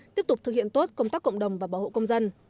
tiếp tục thực hiện tốt công tác cộng đồng và bảo hộ công dân